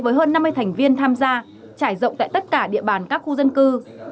với hơn năm mươi thành viên tham gia trải rộng tại tất cả địa bàn các khu dân cư